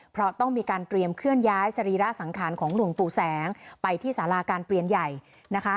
เพราะต้องมีการเตรียมเคลื่อนย้ายสรีระสังขารของหลวงปู่แสงไปที่สาราการเปลี่ยนใหญ่นะคะ